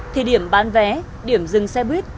thì điểm bán vé điểm dừng xe buýt